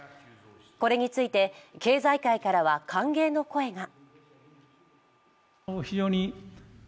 これについて経済界からは歓迎の声が。